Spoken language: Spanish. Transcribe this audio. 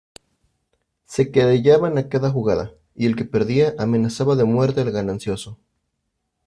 se querellaban a cada jugada, y el que perdía amenazaba de muerte al ganancioso.